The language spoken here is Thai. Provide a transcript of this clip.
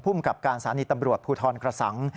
ผู้มกับการสานิตำรวจภูทรกระสังฯ